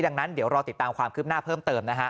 ดังนั้นเดี๋ยวรอติดตามความคืบหน้าเพิ่มเติมนะฮะ